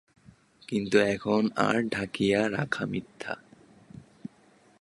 কিন্তু এখন আর ঢাকিয়া রাখা মিথ্যা।